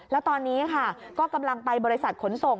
แล้วตอนนี้ค่ะก็กำลังไปบริษัทขนส่ง